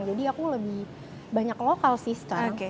jadi aku lebih banyak lokal sih sekarang